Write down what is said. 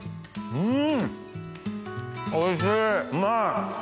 うん！